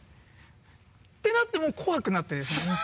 てなってもう怖くなってですね。